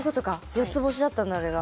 ４つ星だったんだあれが。